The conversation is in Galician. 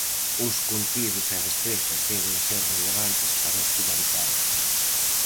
Os contidos e destrezas deben ser relevantes para o estudantado.